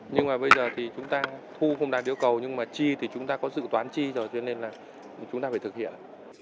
nhưng mà bây giờ thì chúng ta thu không đạt yêu cầu nhưng mà chi thì chúng ta có dự toán chi rồi cho nên là chúng ta phải thực hiện